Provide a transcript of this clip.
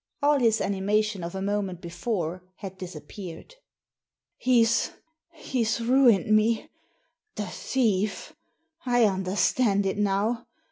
All his animation of a moment before had disappeared. He's — ^he's ruined me ! The thief! I understand it now.